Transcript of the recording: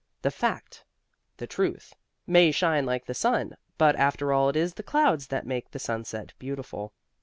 The Fact, the Truth, may shine like the sun, but after all it is the clouds that make the sunset beautiful.